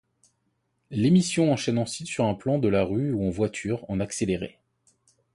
L'émission enchaîne ensuite sur un plan dans la rue ou en voiture, en accéléré.